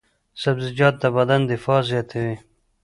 سبزیجات د بدن دفاع زیاتوي.